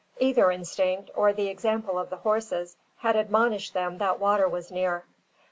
Either instinct, or the example of the horses, had admonished them that water was near.